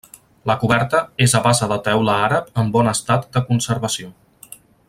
La coberta és a base de teula àrab en bon estat de conservació.